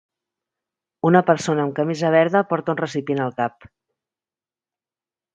Una persona amb camisa verda porta un recipient al cap.